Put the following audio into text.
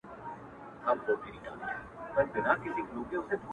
• ما مي په تحفه کي وزرونه درته ایښي دي -